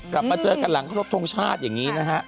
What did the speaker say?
กลับมาเจอกันหลังครบทรงชาติอย่างนี้นะฮะ